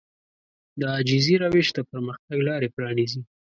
د عاجزي روش د پرمختګ لارې پرانيزي.